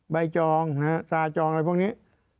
จองตราจองอะไรพวกนี้